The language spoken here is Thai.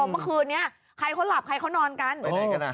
เมื่อคืนนี้ใครเขาหลับใครเขานอนกันอ่ะ